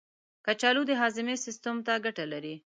کچالو د هاضمې سیستم ته ګټه لري.